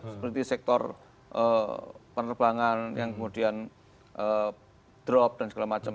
seperti sektor penerbangan yang kemudian drop dan segala macam